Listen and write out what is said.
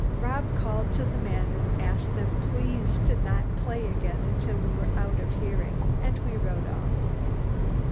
Rob called to the men and asked them please not to play again until we were out of hearing, and we rode off.